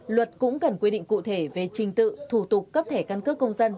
luật cũng cần quy định cụ thể về trình tự thủ tục cấp thể căn cứ công dân